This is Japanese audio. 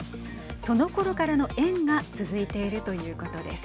そのころからの縁が続いているということです。